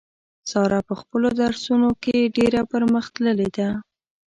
ساره په خپلو درسو نو کې ډېره پر مخ تللې ده.